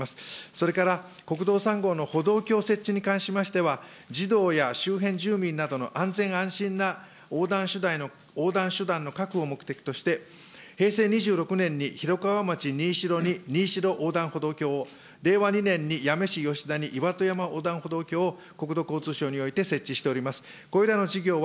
それから、国道３号の歩道橋設置に関しましては、児童や周辺住民などの安全・安心な横断手段の確保を目的として、平成２６年に広川町新代に新代横断歩道橋を、令和４年に八女市吉田にいわと山横断歩道橋を国土交通省において設置しております。